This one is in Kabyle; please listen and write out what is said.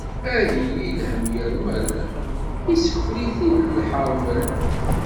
Ad yili lhemm yermel, yessekfel-it-id lhermel.